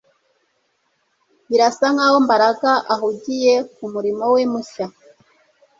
Birasa nkaho Mbaraga ahugiye kumurimo we mushya